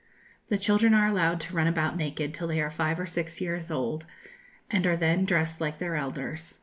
The children are allowed to run about naked till they are five or six years old, and are then dressed like their elders.